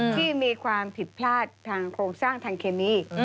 ที่มีความผิดพลาดทางโครงสร้างทางเคมี